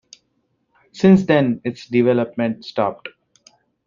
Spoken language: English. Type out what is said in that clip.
Since then, its development stopped.